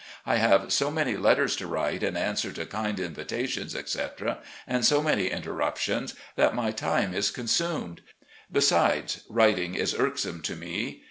I have so many letters to write in answer to kind invitations, etc., and so many interruptions, that my time is consumed. Besides, writing is irksome to me.